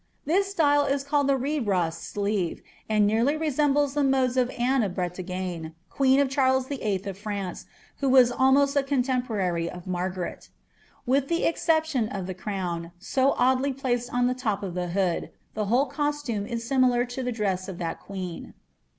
This style is called the rehras sleeve, and nearly resem es the modes of Anne of Bretagne, queen of Charles VJH. of France, ho was almost a contemporary of Margaret. With the exception of c crown, so oddly placed on the top of the hood, the whole costume similar to the dress of that queen.